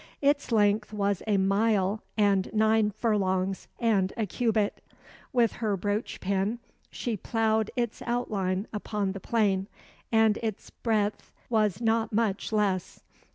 Its length was a mile and nine furlongs and a cubit. With her brooch pin she plowed its outline upon the plain, and its breadth was not much less.